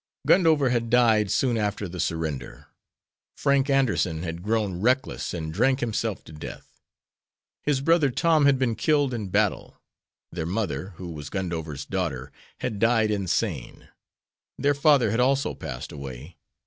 Gundover had died soon after the surrender. Frank Anderson had grown reckless and drank himself to death. His brother Tom had been killed in battle. Their mother, who was Gundover's daughter, had died insane. Their father had also passed away.